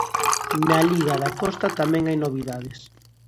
Na liga da Costa tamén hai novidades.